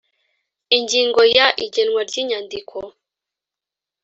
ingingo ya igenwa ry inyandiko